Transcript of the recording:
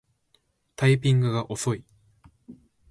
タイピングが遅い